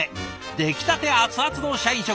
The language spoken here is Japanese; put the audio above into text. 出来たて熱々の社員食堂。